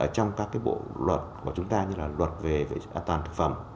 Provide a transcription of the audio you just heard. trong các bộ luật của chúng ta như là luật về an toàn thực phẩm